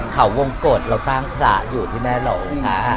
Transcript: เขาวงกฎเราสร้างผลาอยู่ที่แม่เหล่าค่ะ